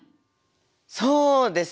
そうですね。